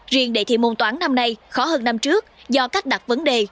riêng đề thi môn toán năm nay khó hơn năm trước do cách đặt vấn đề